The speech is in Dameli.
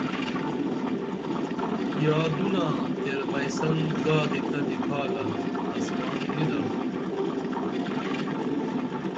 یادونہ تیر بئیسن زادی تہ نِکھالن اسکان نی درو